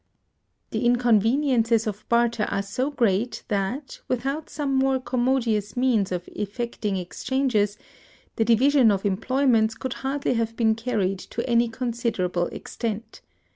The inconveniences of barter are so great that, without some more commodious means of effecting exchanges, the division of employments could hardly have been carried to any considerable extent.